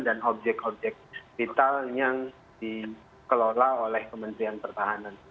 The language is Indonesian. dan objek objek vital yang dikelola oleh kementerian pertahanan